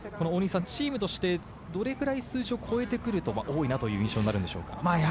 チームとしてどれくらい数字を超えてくると、多いなという印象になるんでしょうか。